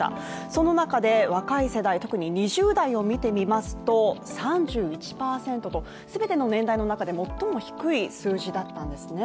その中で若い世代、特に２０代を見てみますと３１％と、全ての年代の中で最も低い数字だったんですね